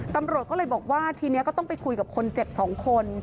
ตำรวจก็เลยบอกว่าทีนี้ก็ต้องไปคุยกับคนเจ็บ๒คน